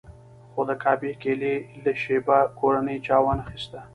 خو د کعبې کیلي له شیبه کورنۍ چا وانخیسته.